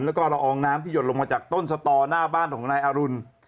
แล้วก็ละอองน้ำที่หยดลงมาจากต้นสตอหน้าบ้านของนายอรุณ